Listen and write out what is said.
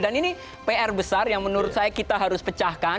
dan ini pr besar yang menurut saya kita harus pecahkan